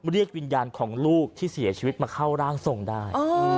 เรียกวิญญาณของลูกที่เสียชีวิตมาเข้าร่างทรงได้